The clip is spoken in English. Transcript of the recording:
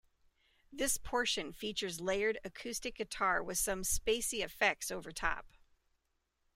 This portion features layered acoustic guitar with some spacey effects overtop.